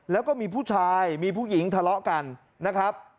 แล้วก็มีผู้ชายมีผู้หญิงทะเลาะกันนะครับ